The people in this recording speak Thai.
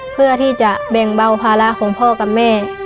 เพื่อที่จะแบ่งเบาภาระของพ่อกับแม่